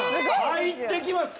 入ってきます。